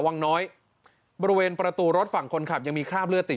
วังน้อยบริเวณประตูรถฝั่งคนขับยังมีคราบเลือดติด